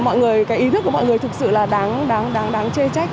mọi người cái ý thức của mọi người thực sự là đáng đáng chê trách